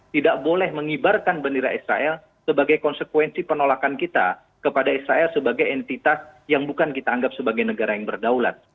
tidak boleh mengibarkan bendera israel sebagai konsekuensi penolakan kita kepada israel sebagai entitas yang bukan kita anggap sebagai negara yang berdaulat